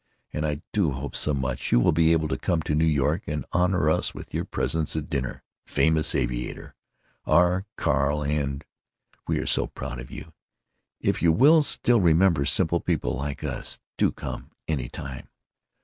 And I do hope so much you will be able to come to NY & honor us with your presence at dinner, famous aviator—our Carl & we are so proud of you—if you will still remember simple people like us do come any time.